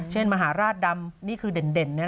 เช่นมหาราชดำนี้คือเด่น